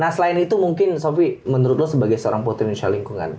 nah selain itu mungkin sofi menurut lo sebagai seorang putri indonesia lingkungan